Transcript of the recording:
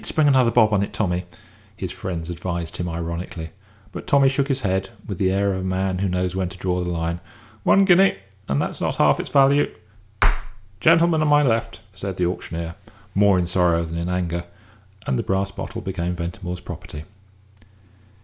Spring another bob on it, Tommy," his friends advised him ironically; but Tommy shook his head, with the air of a man who knows when to draw the line. "One guinea and that's not half its value! Gentleman on my left," said the auctioneer, more in sorrow than in anger and the brass bottle became Ventimore's property.